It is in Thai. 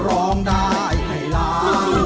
ร้องได้ให้ร้อง